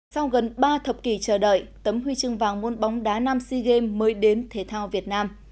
sau gần ba thập kỷ chờ đợi tấm huy chương vàng môn bóng đá nam sea games mới đến thể thao việt nam